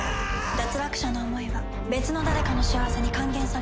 脱落者の思いは別の誰かの幸せに還元される。